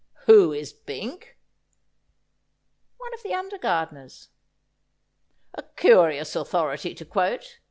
' Who is Bink ?'' One of the under gardeners.' ' A curious authority to quote.